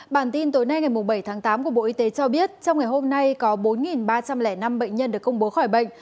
bản tin tối nay ngày bảy tháng tám của bộ y tế cho biết trong ngày hôm nay có bốn ba trăm linh năm bệnh nhân được công bố khỏi bệnh